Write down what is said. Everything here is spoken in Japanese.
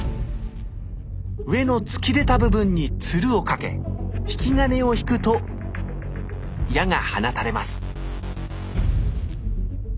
上の突き出た部分にツルをかけ引き金を引くと矢が放たれます